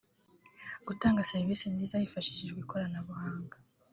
gutanga serivisi nziza hifashishijwe ikoranabunga